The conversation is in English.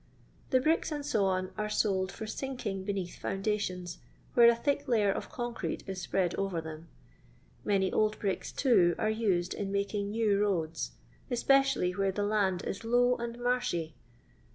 The bricks, &c., are sold lor sinking beneath foundations, where a thick layer of concrete is spread over them. Many old bricks, too, are used in making new roads, especially where the land .is low and marshy.